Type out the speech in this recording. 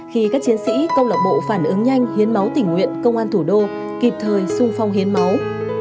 khi các chiến sĩ công lạc bộ phản ứng nhanh hiến máu tỉnh nguyện công an thủ đô kịp thời sung phong hiến máu